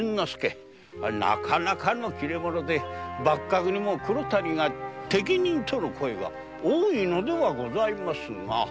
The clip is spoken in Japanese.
なかなかの切れ者で幕閣でも黒谷が適任との声が多いのではございますが。